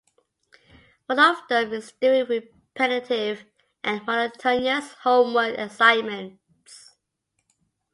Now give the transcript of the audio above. One of them is doing repetitive and monotonous homework assignments.